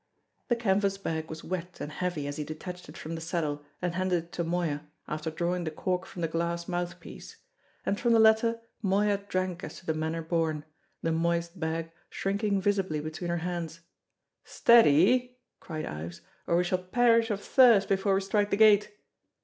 The canvas bag was wet and heavy as he detached it from the saddle and handed it to Moya after drawing the cork from the glass mouthpiece; and from the latter Moya drank as to the manner born, the moist bag shrinking visibly between her hands. "Steady!" cried Ives, "or we shall perish of thirst before we strike the gate.